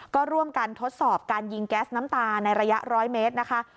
ก็ร่วมกันทดสอบการยิงแก๊สน้ำตาในระยะ๑๐๐เมตรนะคะ